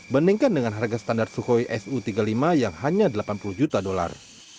bandingkan dengan harga standar sukhoi su tiga puluh lima yang hanya delapan puluh juta dolar